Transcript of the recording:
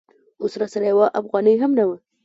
اوس راسره یوه افغانۍ هم نه وه.